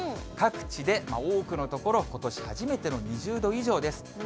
各地で多くの所、ことし初めての２０度以上です。